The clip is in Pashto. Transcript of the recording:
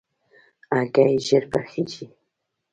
هګۍ ژر پخېږي.